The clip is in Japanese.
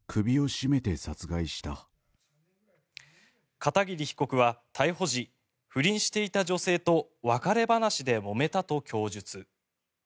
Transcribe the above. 片桐被告は逮捕時不倫していた女性と別れ話でもめたと供述。